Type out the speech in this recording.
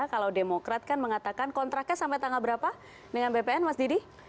kalau demokrat kan mengatakan kontraknya sampai tanggal berapa dengan bpn mas didi